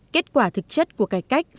kết quả thực chất của cải cách